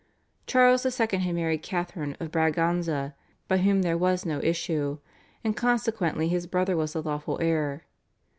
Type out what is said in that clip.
Charles II. had married Catharine of Braganza, by whom there was no issue, and consequently his brother was the lawful heir.